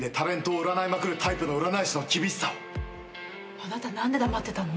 あなた何で黙ってたの？